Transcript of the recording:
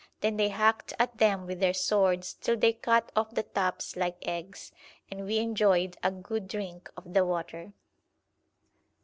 Then they hacked at them with their swords till they cut off the tops like eggs, and we enjoyed a good drink of the water.